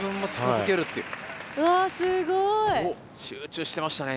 集中してましたね